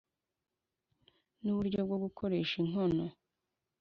nuburyo bwo gukoresha inkono.